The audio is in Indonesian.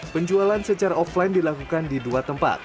penjualan secara offline dilakukan di dua tempat